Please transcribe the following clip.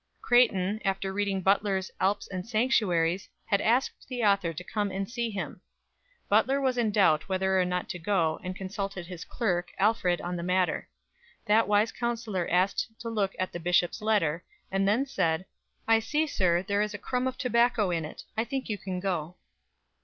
Creighton, after reading Butler's "Alps and Sanctuaries" had asked the author to come and see him. Butler was in doubt whether or not to go, and consulted his clerk, Alfred, on the matter. That wise counsellor asked to look at the Bishop's letter, and then said: "I see, sir, there is a crumb of tobacco in it; I think you can go."